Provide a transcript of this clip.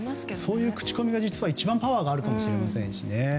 そういう口コミが一番パワーがあるかもしれませんしね。